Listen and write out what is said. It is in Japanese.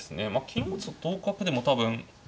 金も同角でも多分。